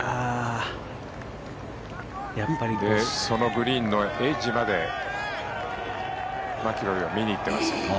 グリーンのエッジまでマキロイは見に行ってます。